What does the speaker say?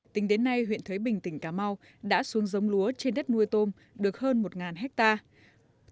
tính đến nay huyện thới bình tỉnh cà mau đã xuống giống lúa trên đất nuôi tôm được hơn một hectare